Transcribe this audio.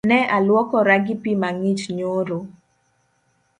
Ne alwuokora gi pii mang’ich nyoro